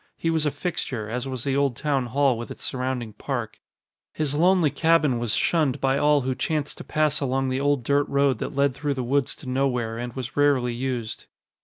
He was a fixture, as was the old town hall with its surrounding park. His lonely cabin was shunned by all who chanced to pass along the old dirt road that led through the woods to nowhere and was rarely used.